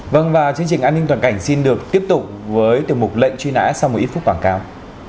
vâng và chương trình an ninh toàn cảnh xin được tiếp tục với tiểu mục lệnh truy nã sau một ít phút quảng cáo